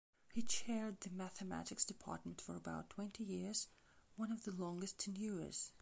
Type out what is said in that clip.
He chaired the mathematics department for about twenty years, one of the longest tenures.